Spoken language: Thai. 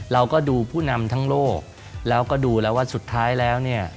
เราก็ดูผู้นำทั้งโลกแล้วก็ดูแล้วว่าสุดท้ายแล้วเนี่ย